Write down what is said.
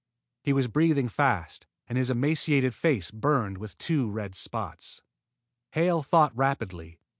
He was breathing fast, and his emaciated face burned with two red spots. Hale thought rapidly.